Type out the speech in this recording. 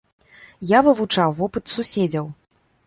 Я вывучаў вопыт суседзяў.